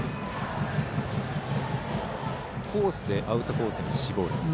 コースでアウトコースに絞る。